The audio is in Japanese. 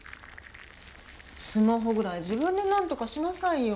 スマホぐらい自分でなんとかしなさいよ。